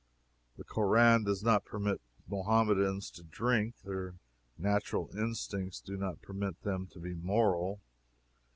The Koran does not permit Mohammedans to drink. Their natural instincts do not permit them to be moral.